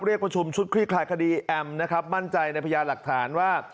ประชุมชุดคลี่คลายคดีแอมนะครับมั่นใจในพญาหลักฐานว่า